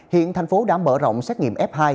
hiện thành phố đã mở rộng xét nghiệm f hai